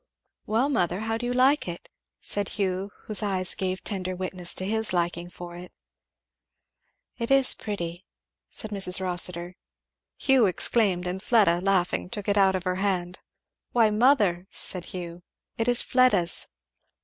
'" "Well, mother, how do you like it?" said Hugh whose eyes gave tender witness to his liking for it. "It is pretty " said Mrs. Rossitur. Hugh exclaimed, and Fleda laughing took it out of her hand. "Why mother!" said Hugh, "it is Fleda's."